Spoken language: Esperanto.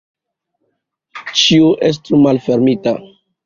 Ĉio estu malfermita.